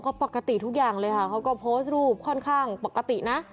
ก็ปกติทุกอย่างเลยค่ะเขาก็โพสต์รูปค่อนข้างปกตินะ